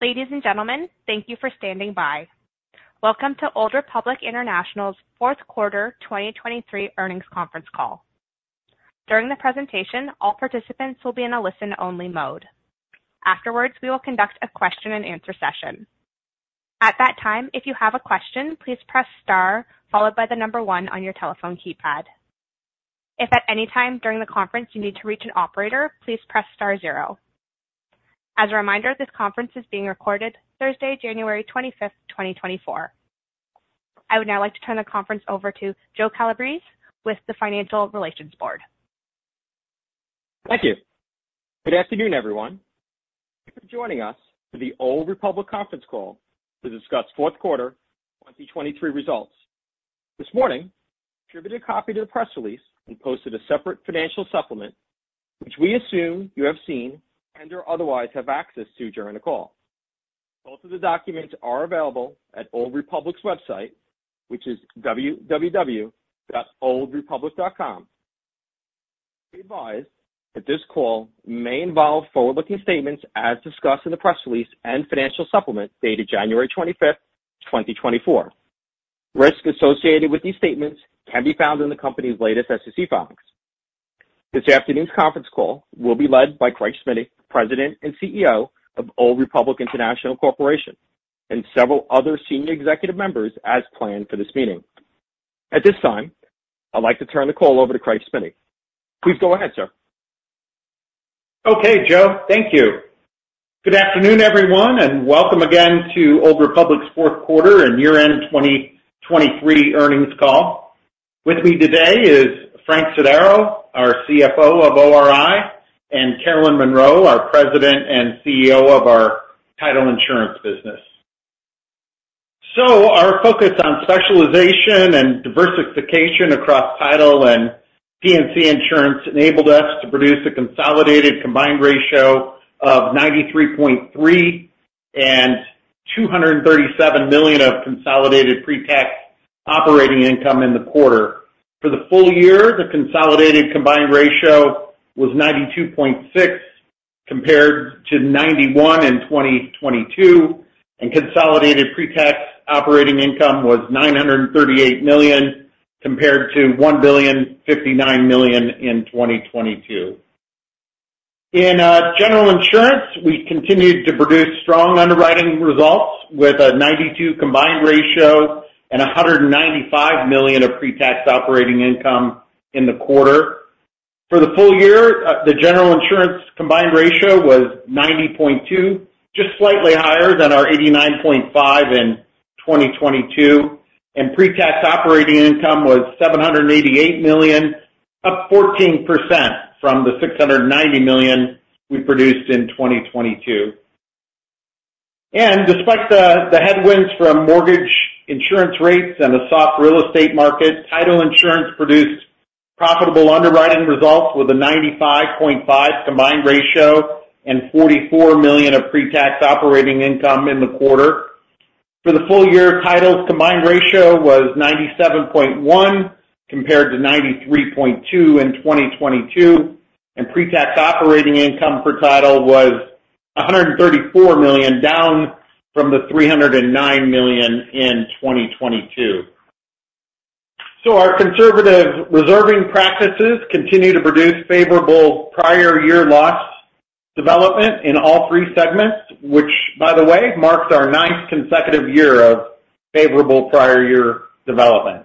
Ladies and gentlemen, thank you for standing by. Welcome to Old Republic International's fourth quarter 2023 earnings conference call. During the presentation, all participants will be in a listen-only mode. Afterwards, we will conduct a question-and-answer session. At that time, if you have a question, please press star followed by the number 1 on your telephone keypad. If at any time during the conference you need to reach an operator, please press star zero. As a reminder, this conference is being recorded Thursday, January 25, 2024. I would now like to turn the conference over to Joe Calabrese with the Financial Relations Board. Thank you. Good afternoon, everyone. Thank you for joining us for the Old Republic conference call to discuss fourth quarter 2023 results. This morning, we distributed a copy to the press release and posted a separate financial supplement, which we assume you have seen and/or otherwise have access to during the call. Both of the documents are available at Old Republic's website, which is www.oldrepublic.com. Be advised that this call may involve forward-looking statements as discussed in the press release and financial supplement dated January 25, 2024. Risks associated with these statements can be found in the company's latest SEC filings. This afternoon's conference call will be led by Craig Smiddy, President and CEO of Old Republic International Corporation, and several other senior executive members as planned for this meeting. At this time, I'd like to turn the call over to Craig Smiddy. Please go ahead, sir. Okay, Joe, thank you. Good afternoon, everyone, and welcome again to Old Republic's fourth quarter and year-end 2023 earnings call. With me today is Frank Sodaro, our CFO of ORI, and Carolyn Monroe, our President and CEO of our title insurance business. Our focus on specialization and diversification across title and P&C insurance enabled us to produce a consolidated combined ratio of 93.3 and $237 million of consolidated pre-tax operating income in the quarter. For the full year, the consolidated combined ratio was 92.6, compared to 91 in 2022, and consolidated pre-tax operating income was $938 million, compared to $1,059 million in 2022. In general insurance, we continued to produce strong underwriting results with a 92 combined ratio and $195 million of pre-tax operating income in the quarter. For the full year, the general insurance combined ratio was 90.2, just slightly higher than our 89.5 in 2022, and pre-tax operating income was $788 million, up 14% from the $690 million we produced in 2022. Despite the headwinds from mortgage insurance rates and the soft real estate market, title insurance produced profitable underwriting results with a 95.5 combined ratio and $44 million of pre-tax operating income in the quarter. For the full year, title's combined ratio was 97.1, compared to 93.2 in 2022, and pre-tax operating income for title was $134 million, down from the $309 million in 2022. So our conservative reserving practices continue to produce favorable prior year loss development in all three segments, which, by the way, marks our ninth consecutive year of favorable prior year development.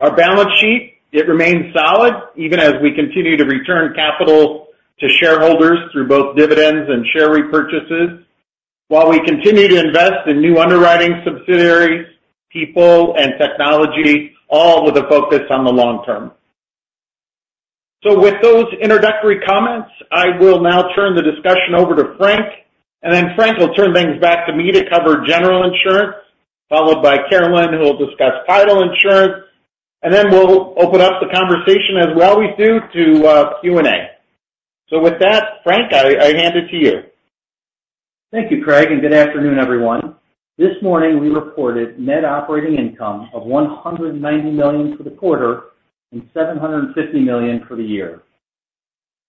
Our balance sheet, it remains solid, even as we continue to return capital to shareholders through both dividends and share repurchases, while we continue to invest in new underwriting subsidiaries, people, and technology, all with a focus on the long term. So with those introductory comments, I will now turn the discussion over to Frank, and then Frank will turn things back to me to cover general insurance, followed by Carolyn, who will discuss title insurance, and then we'll open up the conversation, as we always do, to Q&A. So with that, Frank, I hand it to you. Thank you, Craig, and good afternoon, everyone. This morning, we reported net operating income of $190 million for the quarter and $750 million for the year.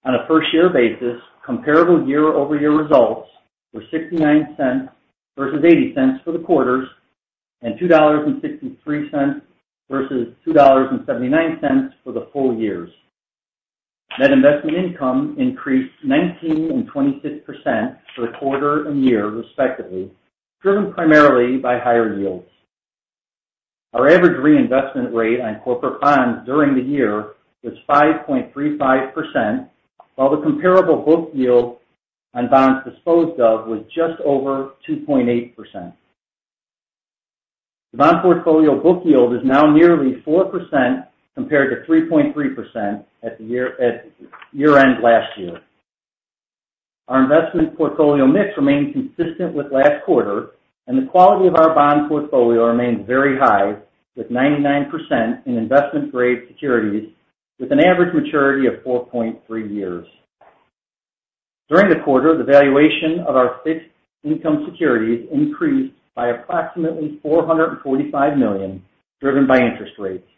On a per-share basis, comparable year-over-year results were $0.69 versus $0.80 for the quarters, and $2.63 versus $2.79 for the full years. Net investment income increased 19% and 26% for the quarter and year, respectively, driven primarily by higher yields. Our average reinvestment rate on corporate bonds during the year was 5.35%, while the comparable book yield on bonds disposed of was just over 2.8%. The bond portfolio book yield is now nearly 4% compared to 3.3% at year-end last year. Our investment portfolio mix remains consistent with last quarter, and the quality of our bond portfolio remains very high, with 99% in investment-grade securities, with an average maturity of 4.3 years. During the quarter, the valuation of our fixed income securities increased by approximately $445 million, driven by interest rates....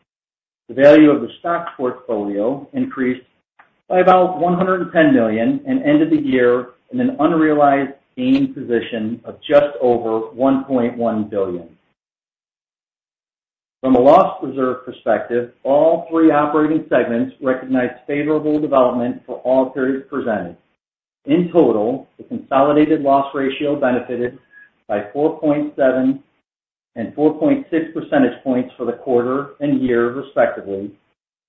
The value of the stock portfolio increased by about $110 million, and ended the year in an unrealized gain position of just over $1.1 billion. From a loss reserve perspective, all three operating segments recognized favorable development for all periods presented. In total, the consolidated loss ratio benefited by 4.7 and 4.6 percentage points for the quarter and year, respectively,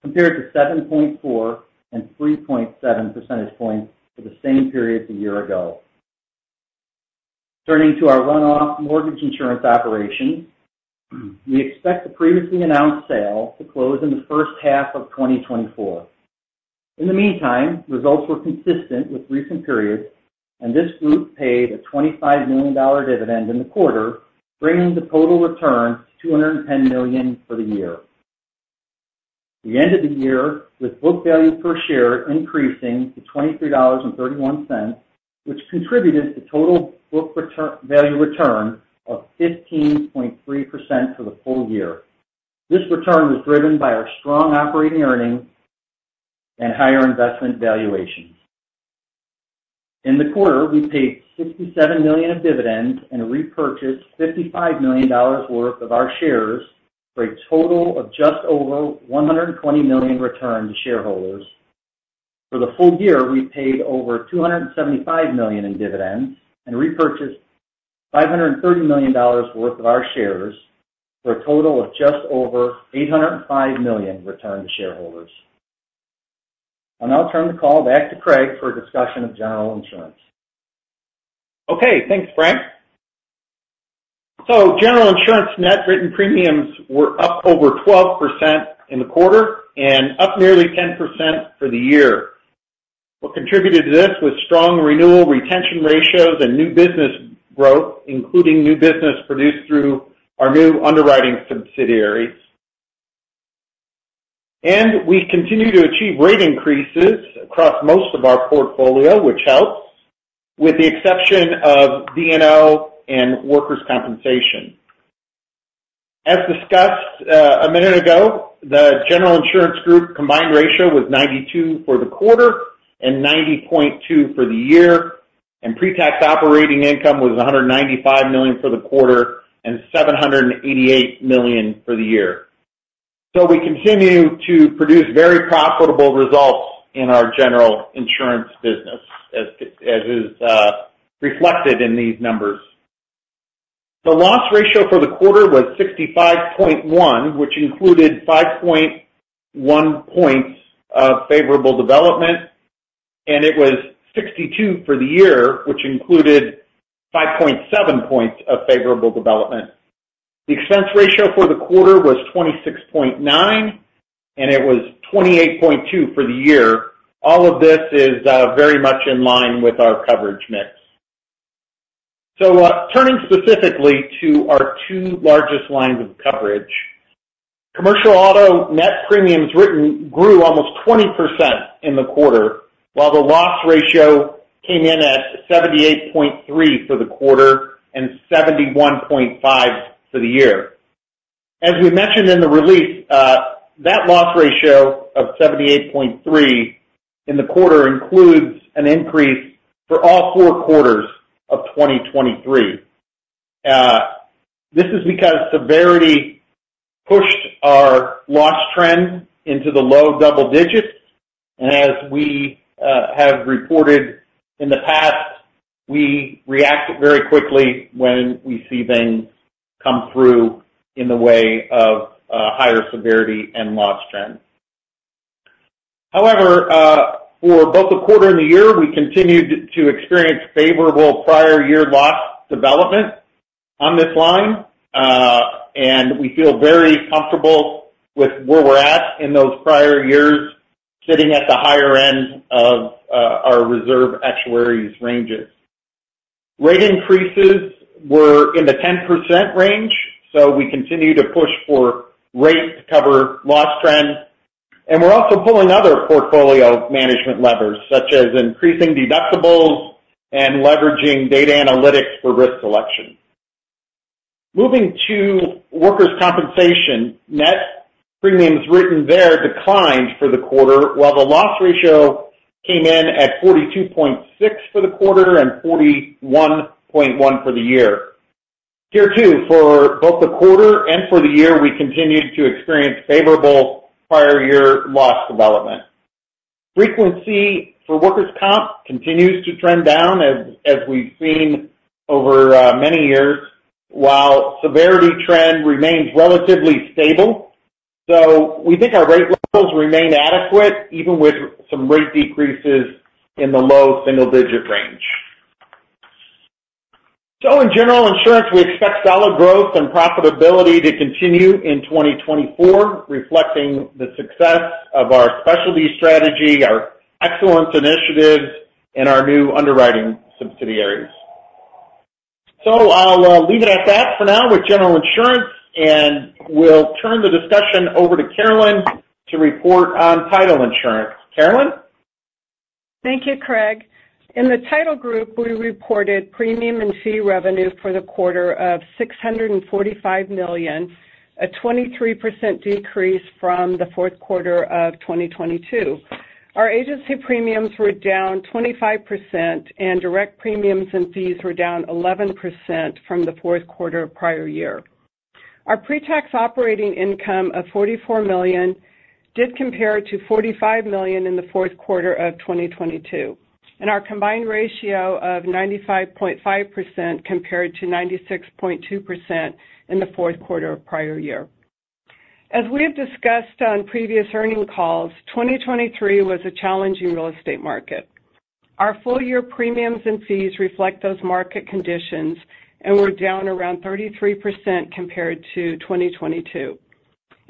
compared to 7.4 and 3.7 percentage points for the same period a year ago. Turning to our run-off mortgage insurance operation, we expect the previously announced sale to close in the first half of 2024. In the meantime, results were consistent with recent periods, and this group paid a $25 million dividend in the quarter, bringing the total return to $210 million for the year. We ended the year with book value per share increasing to $23.31, which contributed to total book value return of 15.3% for the full year. This return was driven by our strong operating earnings and higher investment valuations. In the quarter, we paid $67 million of dividends and repurchased $55 million worth of our shares, for a total of just over $120 million returned to shareholders. For the full year, we paid over $275 million in dividends and repurchased $530 million worth of our shares, for a total of just over $805 million returned to shareholders. I'll now turn the call back to Craig for a discussion of general insurance. Okay, thanks, Frank. So general insurance net written premiums were up over 12% in the quarter and up nearly 10% for the year. What contributed to this was strong renewal retention ratios and new business growth, including new business produced through our new underwriting subsidiaries. And we continue to achieve rate increases across most of our portfolio, which helps, with the exception of D&O and workers' compensation. As discussed a minute ago, the general insurance group combined ratio was 92 for the quarter and 90.2 for the year, and pre-tax operating income was $195 million for the quarter and $788 million for the year. So we continue to produce very profitable results in our general insurance business, as is reflected in these numbers. The loss ratio for the quarter was 65.1, which included 5.1 points of favorable development, and it was 62 for the year, which included 5.7 points of favorable development. The expense ratio for the quarter was 26.9, and it was 28.2 for the year. All of this is, very much in line with our coverage mix. So, turning specifically to our two largest lines of coverage. Commercial auto net premiums written grew almost 20% in the quarter, while the loss ratio came in at 78.3 for the quarter and 71.5 for the year. As we mentioned in the release, that loss ratio of 78.3 in the quarter includes an increase for all four quarters of 2023. This is because severity pushed our loss trend into the low double digits, and as we have reported in the past, we react very quickly when we see things come through in the way of higher severity and loss trends. However, for both the quarter and the year, we continued to experience favorable prior year loss development on this line, and we feel very comfortable with where we're at in those prior years, sitting at the higher end of our reserve actuaries' ranges. Rate increases were in the 10% range, so we continue to push for rates to cover loss trends, and we're also pulling other portfolio management levers, such as increasing deductibles and leveraging data analytics for risk selection. Moving to workers' compensation. Net premiums written there declined for the quarter, while the loss ratio came in at 42.6 for the quarter and 41.1 for the year. Here, too, for both the quarter and for the year, we continued to experience favorable prior year loss development. Frequency for workers' comp continues to trend down, as we've seen over many years, while severity trend remains relatively stable. So we think our rate levels remain adequate, even with some rate decreases in the low single digit range. So in general insurance, we expect solid growth and profitability to continue in 2024, reflecting the success of our specialty strategy, our excellence initiatives, and our new underwriting subsidiaries. So I'll leave it at that for now with general insurance, and we'll turn the discussion over to Carolyn to report on title insurance. Carolyn?... Thank you, Craig. In the title group, we reported premium and fee revenue for the quarter of $645 million, a 23% decrease from the fourth quarter of 2022. Our agency premiums were down 25%, and direct premiums and fees were down 11% from the fourth quarter of prior year. Our pretax operating income of $44 million did compare to $45 million in the fourth quarter of 2022, and our combined ratio of 95.5% compared to 96.2% in the fourth quarter of prior year. As we have discussed on previous earning calls, 2023 was a challenging real estate market. Our full year premiums and fees reflect those market conditions and were down around 33% compared to 2022.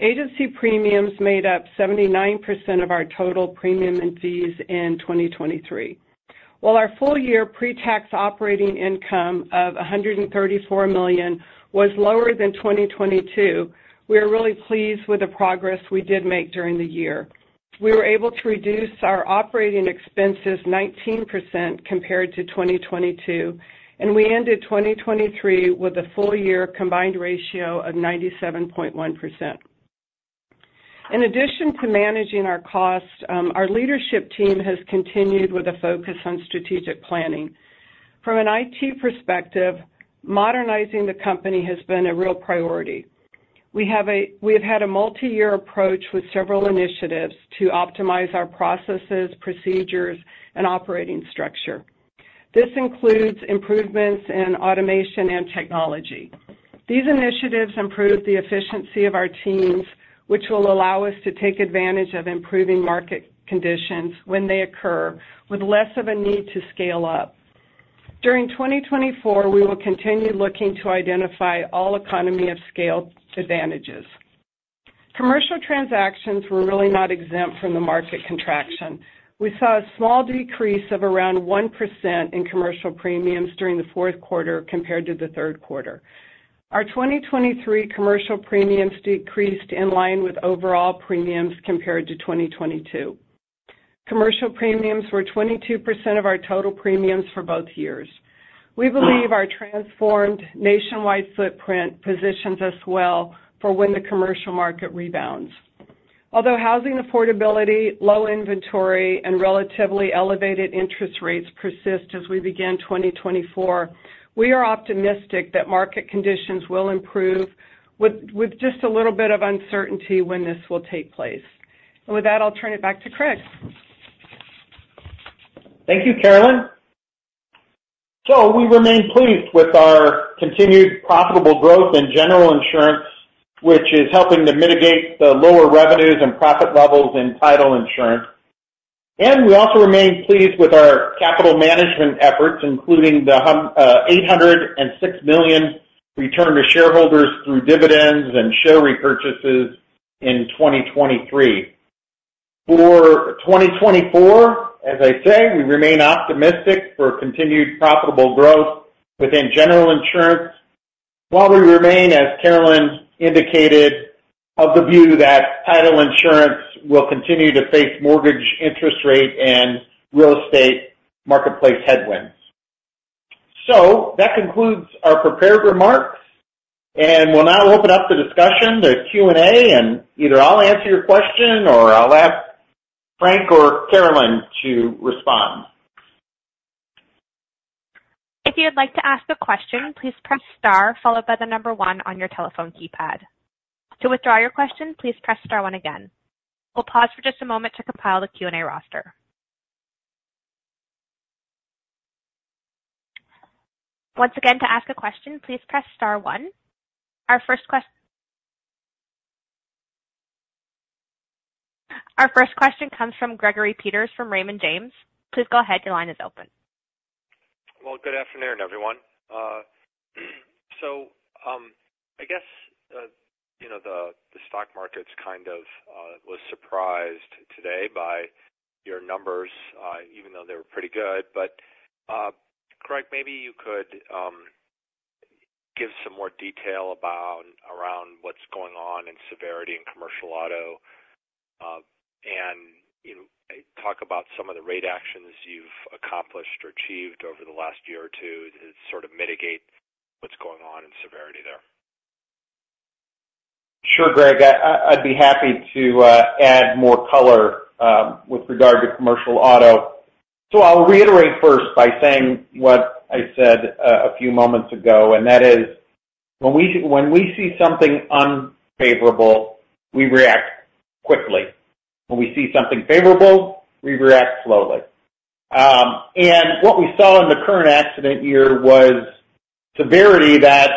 Agency premiums made up 79% of our total premium and fees in 2023. While our full year pretax operating income of $134 million was lower than 2022, we are really pleased with the progress we did make during the year. We were able to reduce our operating expenses 19% compared to 2022, and we ended 2023 with a full year combined ratio of 97.1%. In addition to managing our costs, our leadership team has continued with a focus on strategic planning. From an IT perspective, modernizing the company has been a real priority. We have had a multi-year approach with several initiatives to optimize our processes, procedures, and operating structure. This includes improvements in automation and technology. These initiatives improve the efficiency of our teams, which will allow us to take advantage of improving market conditions when they occur, with less of a need to scale up. During 2024, we will continue looking to identify all economy of scale advantages. Commercial transactions were really not exempt from the market contraction. We saw a small decrease of around 1% in commercial premiums during the fourth quarter compared to the third quarter. Our 2023 commercial premiums decreased in line with overall premiums compared to 2022. Commercial premiums were 22% of our total premiums for both years. We believe our transformed nationwide footprint positions us well for when the commercial market rebounds. Although housing affordability, low inventory, and relatively elevated interest rates persist as we begin 2024, we are optimistic that market conditions will improve, with just a little bit of uncertainty when this will take place. And with that, I'll turn it back to Craig. Thank you, Carolyn. So we remain pleased with our continued profitable growth in general insurance, which is helping to mitigate the lower revenues and profit levels in title insurance. And we also remain pleased with our capital management efforts, including the $806 million returned to shareholders through dividends and share repurchases in 2023. For 2024, as I say, we remain optimistic for continued profitable growth within general insurance, while we remain, as Carolyn indicated, of the view that title insurance will continue to face mortgage interest rate and real estate marketplace headwinds. So that concludes our prepared remarks, and we'll now open up the discussion. There's Q&A, and either I'll answer your question or I'll ask Frank or Carolyn to respond. If you'd like to ask a question, please press star followed by the number 1 on your telephone keypad. To withdraw your question, please press star one again. We'll pause for just a moment to compile the Q&A roster. Once again, to ask a question, please press star one. Our first question comes from Gregory Peters, from Raymond James. Please go ahead. Your line is open. Well, good afternoon, everyone. So, I guess, you know, the stock market's kind of was surprised today by your numbers, even though they were pretty good. But, Craig, maybe you could give some more detail about, around what's going on in severity in commercial auto. And, you know, talk about some of the rate actions you've accomplished or achieved over the last year or two to sort of mitigate what's going on in severity there. Sure, Greg, I'd be happy to add more color with regard to commercial auto. So I'll reiterate first by saying what I said a few moments ago, and that is, when we see something unfavorable, we react quickly. When we see something favorable, we react slowly. And what we saw in the current accident year was severity that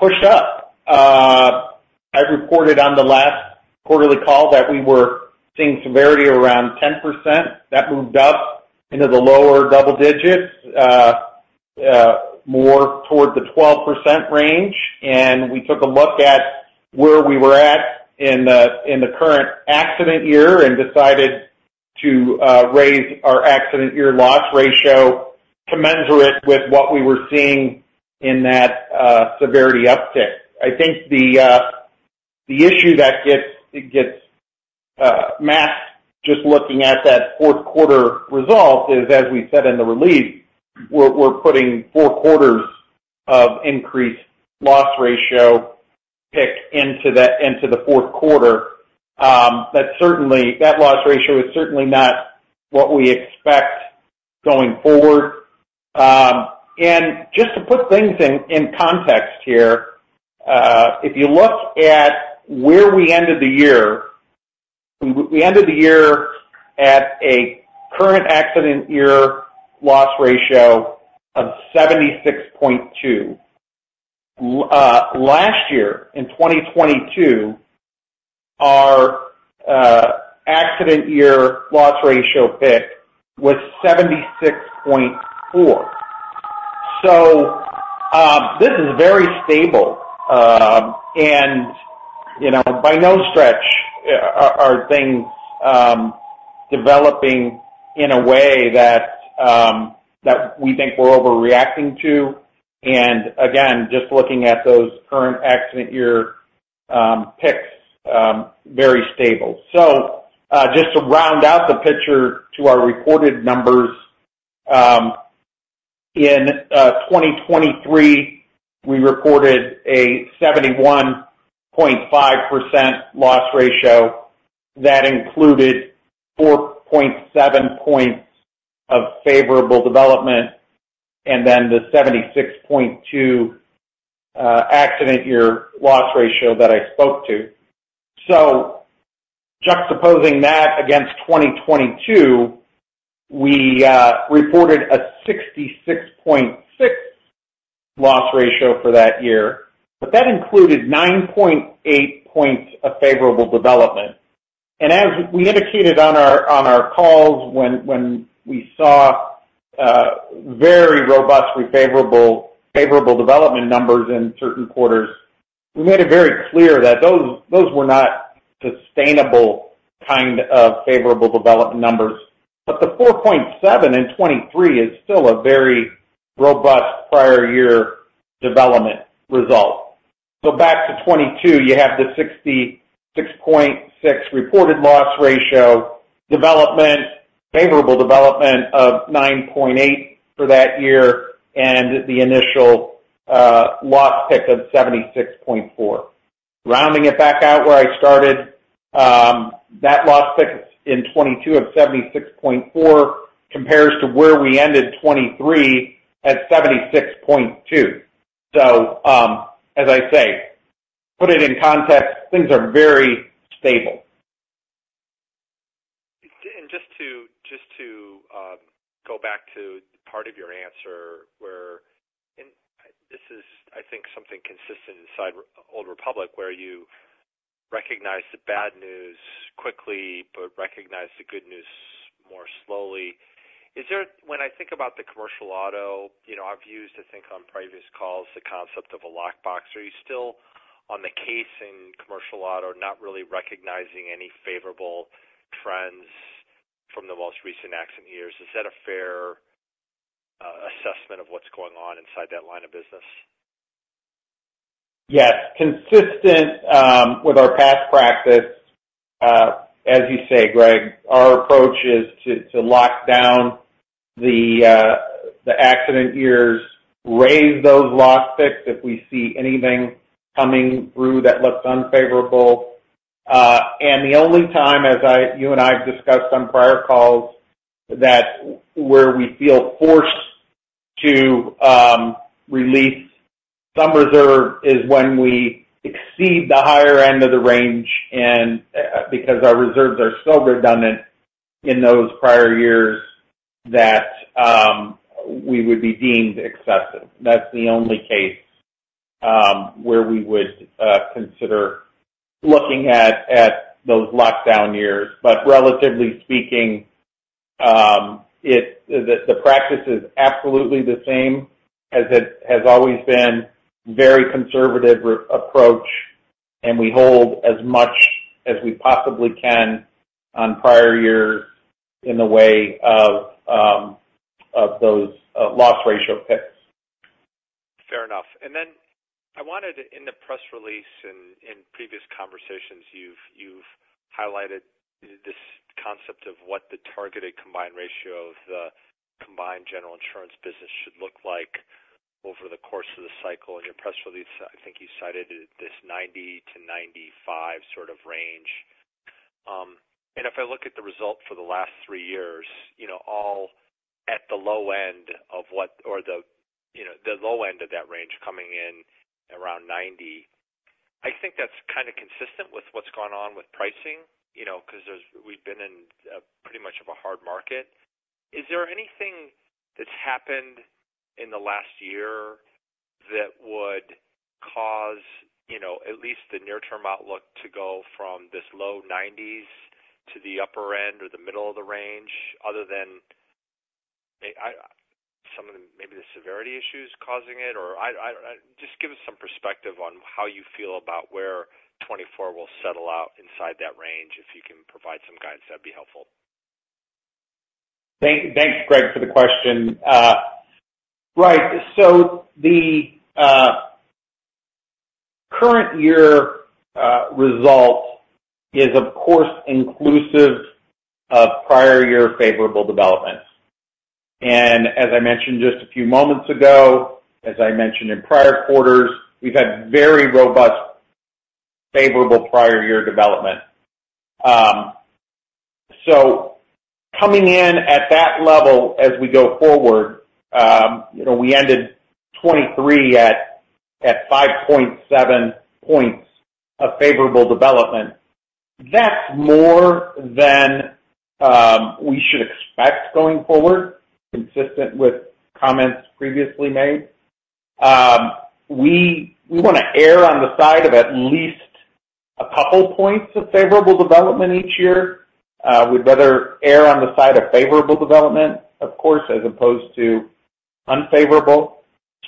pushed up. I reported on the last quarterly call that we were seeing severity around 10%. That moved up into the lower double digits, more toward the 12% range, and we took a look at where we were at in the current accident year and decided to raise our accident year loss ratio to measure it with what we were seeing in that severity uptick. I think the... The issue that gets masked just looking at that fourth quarter result is, as we said in the release, we're putting four quarters of increased loss ratio pick into the fourth quarter. That loss ratio is certainly not what we expect going forward. And just to put things in context here, if you look at where we ended the year, we ended the year at a current accident year loss ratio of 76.2. Last year, in 2022, our accident year loss ratio pick was 76.4. So, this is very stable. And, you know, by no stretch are things developing in a way that we think we're overreacting to. And again, just looking at those current accident year picks, very stable. So, just to round out the picture to our reported numbers, in 2023, we reported a 71.5% loss ratio. That included 4.7 points of favorable development, and then the 76.2 accident year loss ratio that I spoke to. So juxtaposing that against 2022, we reported a 66.6 loss ratio for that year, but that included 9.8 points of favorable development. And as we indicated on our calls, when we saw very robustly favorable development numbers in certain quarters, we made it very clear that those were not sustainable kind of favorable development numbers. But the 4.7 in 2023 is still a very robust prior year development result. So back to 2022, you have the 66.6 reported loss ratio development, favorable development of 9.8 for that year, and the initial, loss pick of 76.4. Rounding it back out where I started, that loss pick in 2022 of 76.2. So, as I say, put it in context, things are very stable. And just to go back to part of your answer where, and this is, I think, something consistent inside Old Republic, where you recognize the bad news quickly, but recognize the good news more slowly. Is there, when I think about the commercial auto, you know, I've used to think on previous calls, the concept of a lock box, are you still on the case in commercial auto, not really recognizing any favorable trends from the most recent accident years? Is that a fair assessment of what's going on inside that line of business? Yes. Consistent with our past practice, as you say, Greg, our approach is to lock down the accident years, raise those loss picks if we see anything coming through that looks unfavorable. And the only time, as you and I have discussed on prior calls, where we feel forced to release some reserve is when we exceed the higher end of the range, and because our reserves are so redundant in those prior years, that we would be deemed excessive. That's the only case where we would consider looking at those lockdown years. But relatively speaking, the practice is absolutely the same as it has always been, very conservative approach, and we hold as much as we possibly can on prior years in the way of, of those loss ratio picks. Fair enough. Then I wanted to, in the press release and in previous conversations, you've highlighted this concept of what the targeted combined ratio of the combined general insurance business should look like over the course of the cycle. In your press release, I think you cited this 90%-95% sort of range. And if I look at the results for the last three years, you know, all at the low end of what-- or the, you know, the low end of that range, coming in around 90%. I think that's kind of consistent with what's gone on with pricing, you know, because there's, we've been in, pretty much of a hard market. Is there anything that's happened in the last year that would cause, you know, at least the near-term outlook to go from this low 90s to the upper end or the middle of the range, other than some of the, maybe the severity issues causing it, or... Just give us some perspective on how you feel about where 2024 will settle out inside that range. If you can provide some guidance, that'd be helpful. Thanks, Greg, for the question. The current year result is, of course, inclusive of prior year favorable developments. And as I mentioned just a few moments ago, as I mentioned in prior quarters, we've had very robust, favorable prior year development. So coming in at that level as we go forward, you know, we ended 2023 at 5.7 points of favorable development. That's more than we should expect going forward, consistent with comments previously made. We want to err on the side of at least a couple points of favorable development each year. We'd rather err on the side of favorable development, of course, as opposed to unfavorable.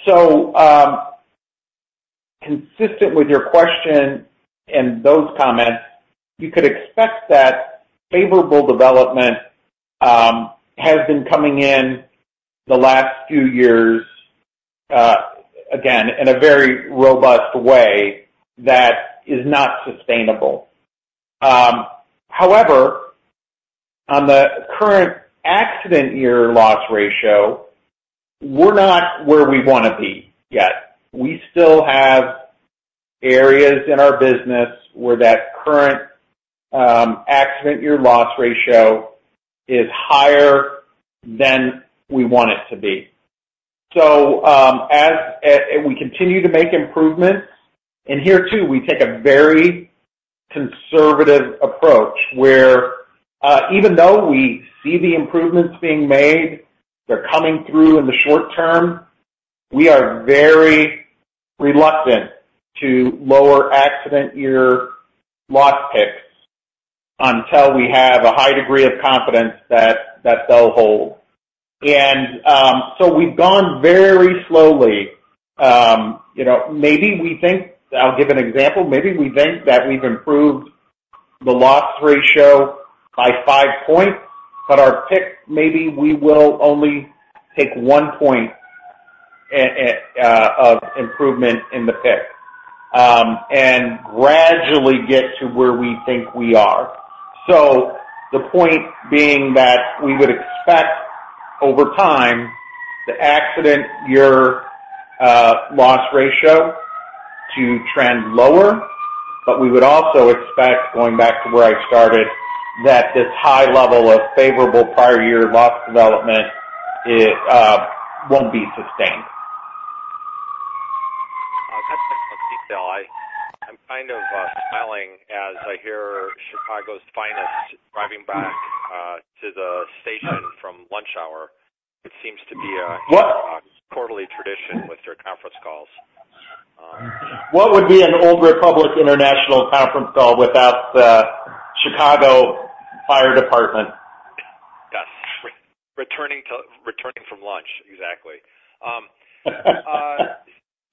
So, consistent with your question and those comments, you could expect that favorable development has been coming in the last few years, again, in a very robust way that is not sustainable. However, on the current accident year loss ratio, we're not where we want to be yet. We still have areas in our business where that current accident year loss ratio is higher than we want it to be. So, as we continue to make improvements, and here, too, we take a very conservative approach, where even though we see the improvements being made, they're coming through in the short term, we are very reluctant to lower accident year loss picks until we have a high degree of confidence that they'll hold. So we've gone very slowly. You know, maybe we think... I'll give an example. Maybe we think that we've improved the loss ratio by 5 points, but our pick, maybe we will only take 1 point of improvement in the pick, and gradually get to where we think we are. So the point being that we would expect over time, the accident year loss ratio to trend lower, but we would also expect, going back to where I started, that this high level of favorable prior year loss development, it won't be sustained. That's excellent detail. I'm kind of smiling as I hear Chicago's finest driving back to the station from lunch hour. It seems to be a- What- quarterly tradition with your conference calls. What would be an Old Republic International conference call without the Chicago Fire Department? Yes. Returning from lunch. Exactly.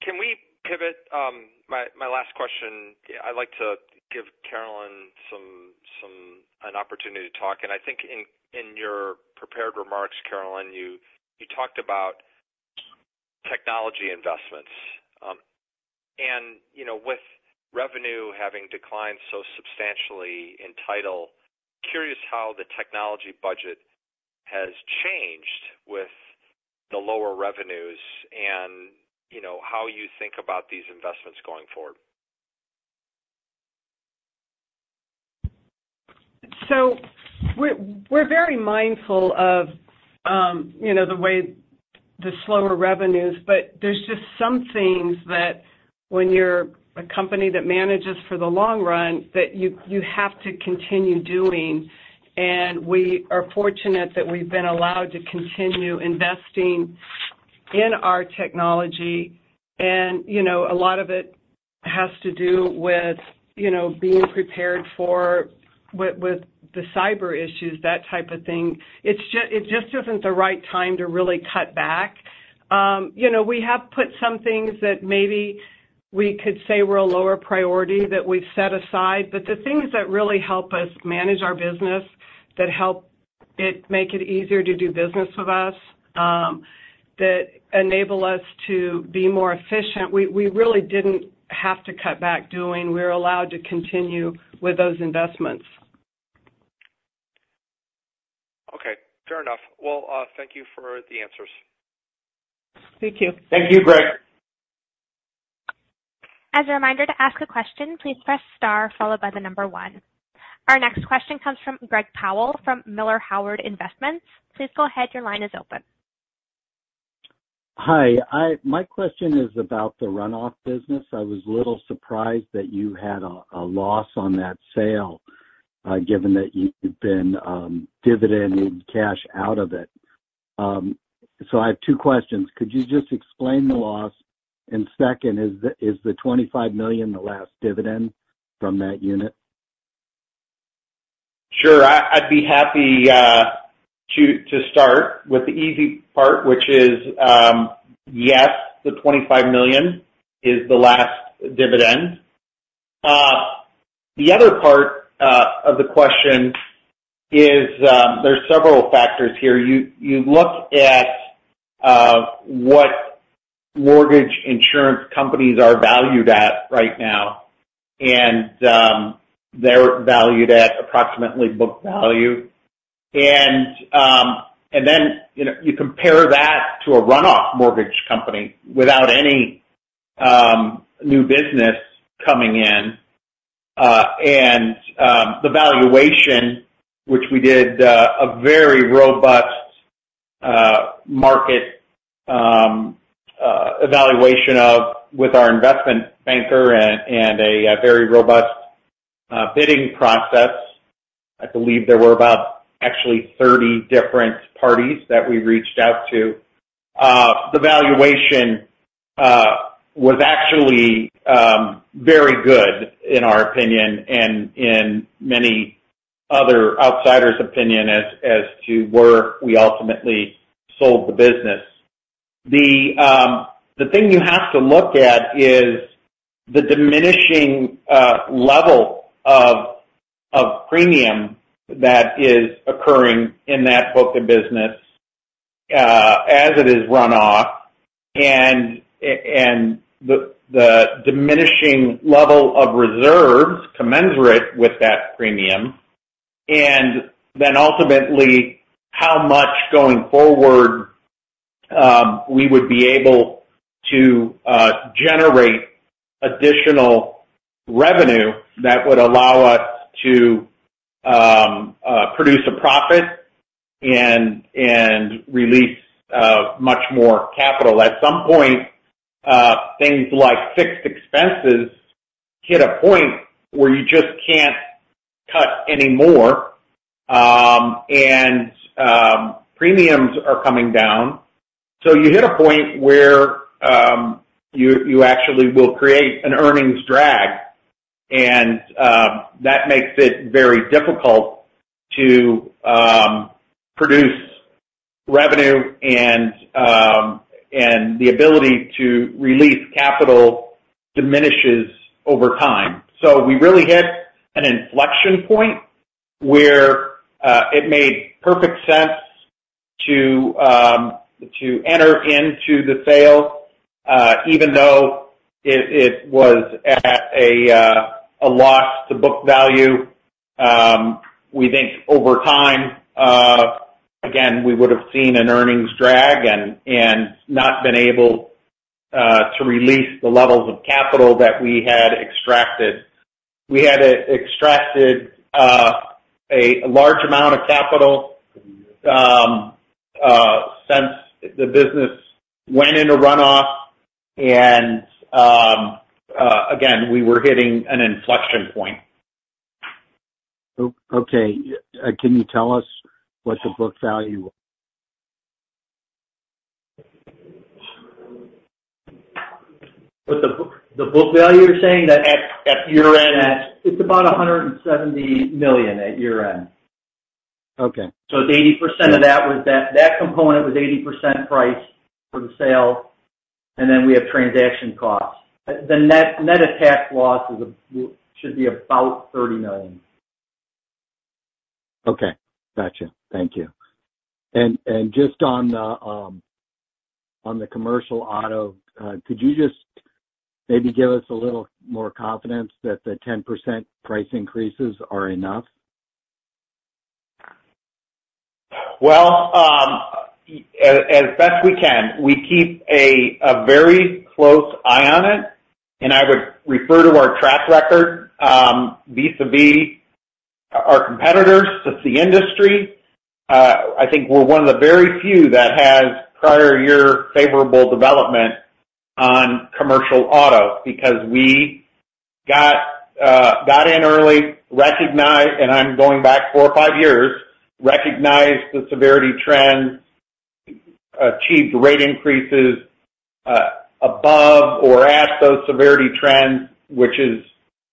Can we pivot? My last question, I'd like to give Carolyn an opportunity to talk. And I think in your prepared remarks, Carolyn, you talked about technology investments. And, you know, with revenue having declined so substantially in title, curious how the technology budget has changed with the lower revenues and, you know, how you think about these investments going forward. So we're very mindful of, you know, the way the slower revenues, but there's just some things that when you're a company that manages for the long run, that you have to continue doing. And we are fortunate that we've been allowed to continue investing in our technology. And, you know, a lot of it has to do with, you know, being prepared for with the cyber issues, that type of thing. It's just it isn't the right time to really cut back. You know, we have put some things that maybe we could say were a lower priority that we've set aside, but the things that really help us manage our business, that help it make it easier to do business with us, that enable us to be more efficient, we really didn't have to cut back doing. We're allowed to continue with those investments. Okay, fair enough. Well, thank you for the answers. Thank you. Thank you, Greg. As a reminder, to ask a question, please press star followed by the number one. Our next question comes from Greg Powell, from Miller Howard Investments. Please go ahead. Your line is open. Hi, my question is about the runoff business. I was a little surprised that you had a loss on that sale, given that you've been dividending cash out of it. So I have two questions: Could you just explain the loss? And second, is the $25 million the last dividend from that unit? Sure. I'd be happy to start with the easy part, which is, yes, the $25 million is the last dividend. The other part of the question is, there's several factors here. You look at what mortgage insurance companies are valued at right now, and they're valued at approximately book value. And then, you know, you compare that to a runoff mortgage company without any new business coming in. And the valuation, which we did, a very robust market evaluation of with our investment banker and a very robust bidding process. I believe there were about actually 30 different parties that we reached out to. The valuation was actually very good in our opinion and in many other outsiders' opinion as to where we ultimately sold the business. The thing you have to look at is the diminishing level of premium that is occurring in that book of business, as it is run off, and the diminishing level of reserves commensurate with that premium, and then ultimately, how much going forward we would be able to generate additional revenue that would allow us to produce a profit and release much more capital. At some point, things like fixed expenses hit a point where you just can't cut anymore, and premiums are coming down. So you hit a point where you actually will create an earnings drag, and that makes it very difficult to produce revenue and the ability to release capital diminishes over time. So we really hit an inflection point where it made perfect sense to enter into the sale, even though it was at a loss to book value. We think over time, again, we would have seen an earnings drag and not been able to release the levels of capital that we had extracted. We had extracted a large amount of capital since the business went into runoff, and again, we were hitting an inflection point. Okay. Can you tell us what the book value? What the book value you're saying that at, at year-end? It's about $170 million at year-end. Okay. So 80% of that was that, that component was 80% price for the sale, and then we have transaction costs. The net, net of tax loss is should be about $30 million. Okay, gotcha. Thank you. Just on the commercial auto, could you just maybe give us a little more confidence that the 10% price increases are enough? Well, as best we can, we keep a very close eye on it, and I would refer to our track record, vis-a-vis our competitors, just the industry. I think we're one of the very few that has prior year favorable development on commercial auto, because we got in early, recognized, and I'm going back four or five years, recognized the severity trends, achieved rate increases above or at those severity trends, which is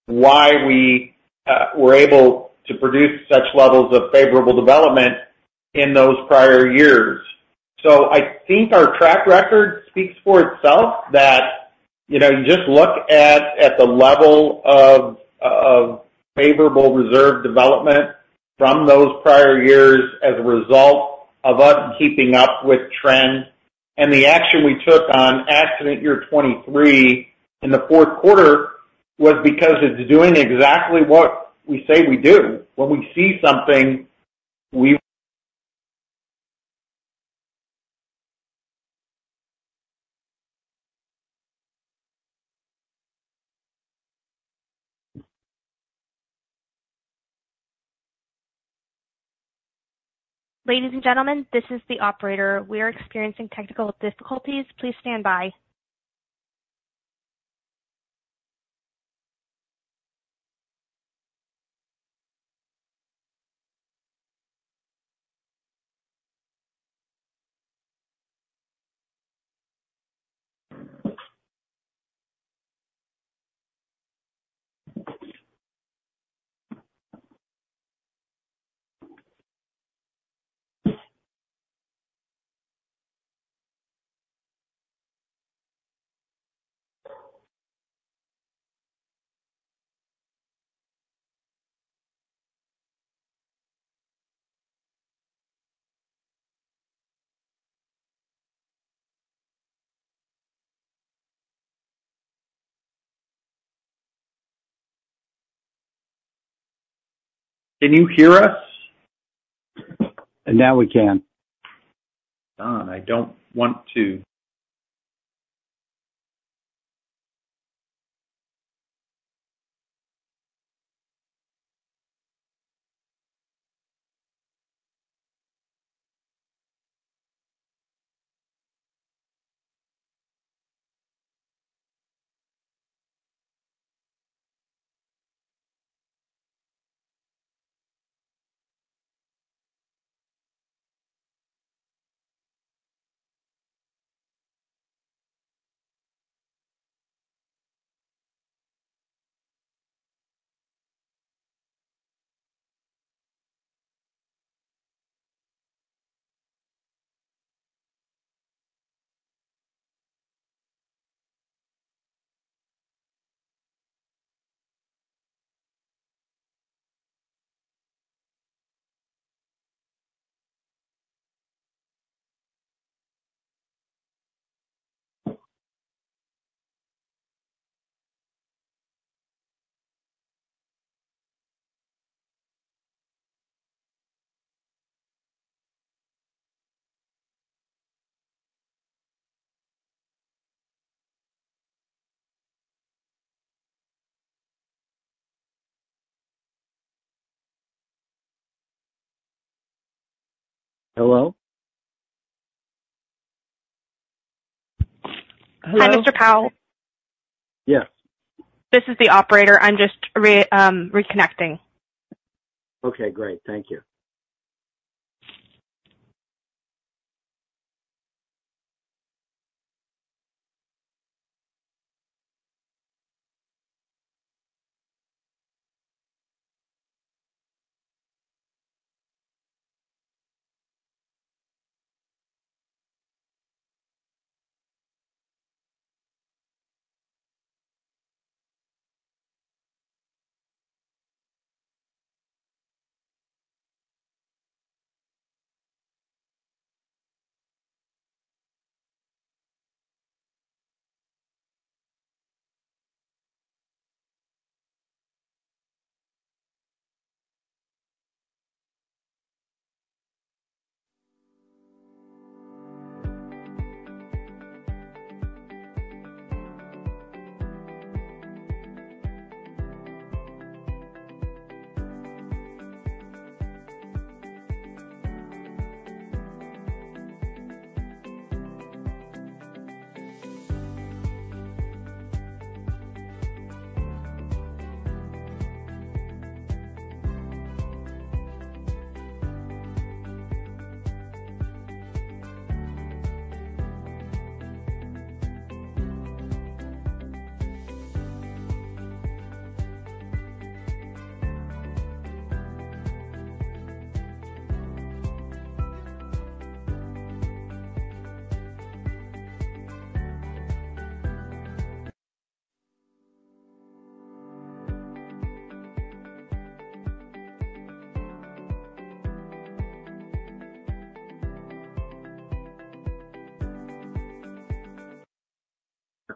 why we were able to produce such levels of favorable development in those prior years. So I think our track record speaks for itself, that, you know, you just look at the level of favorable reserve development from those prior years as a result of us keeping up with trends. The action we took on accident year 2023 in the fourth quarter was because it's doing exactly what we say we do. When we see something, we- Ladies and gentlemen, this is the operator. We are experiencing technical difficulties. Please stand by. ... Can you hear us? Now we can. Don, I don't want to. Hello? Hello? Hi, Mr. Powell. Yes. This is the operator. I'm just reconnecting. Okay, great. Thank you. ...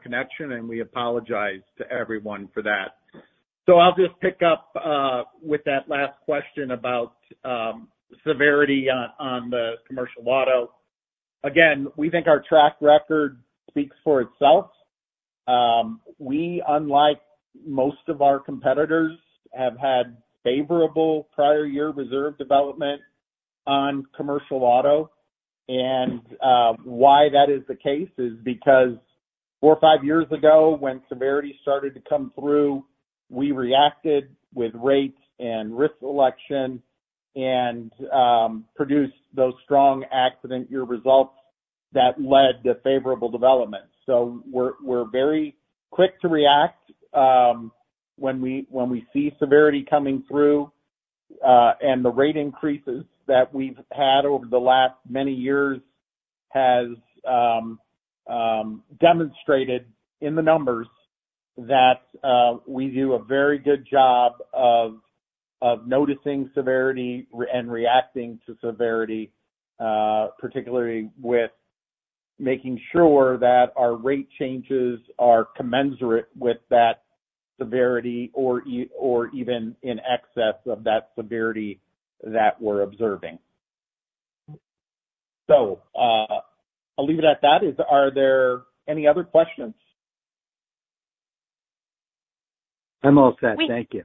Connection, and we apologize to everyone for that. So I'll just pick up with that last question about severity on the commercial auto. Again, we think our track record speaks for itself. We, unlike most of our competitors, have had favorable prior year reserve development on commercial auto. And why that is the case is because four or five years ago, when severity started to come through, we reacted with rates and risk selection and produced those strong accident year results that led to favorable development. So we're very quick to react when we see severity coming through. And the rate increases that we've had over the last many years has demonstrated in the numbers that we do a very good job of noticing severity and reacting to severity, particularly with making sure that our rate changes are commensurate with that severity or even in excess of that severity that we're observing. So, I'll leave it at that. Are there any other questions? I'm all set. Thank you.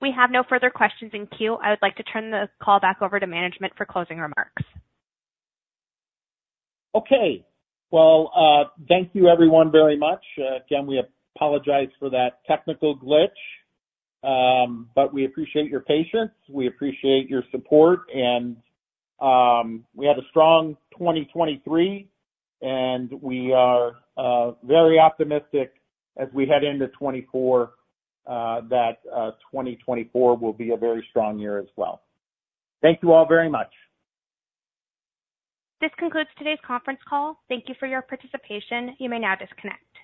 We have no further questions in queue. I would like to turn the call back over to management for closing remarks. Okay. Well, thank you everyone very much. Again, we apologize for that technical glitch, but we appreciate your patience. We appreciate your support, and we had a strong 2023, and we are very optimistic as we head into 2024, that 2024 will be a very strong year as well. Thank you all very much. This concludes today's conference call. Thank you for your participation. You may now disconnect.